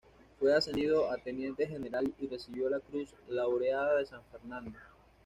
Fue ascendido a teniente general y recibió la cruz laureada de San Fernando.